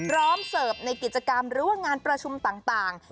พร้อมเสิร์ฟในกิจกรรมหรือว่างานประชุมต่าง